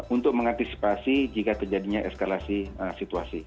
untuk mengantisipasi jika terjadinya eskalasi situasi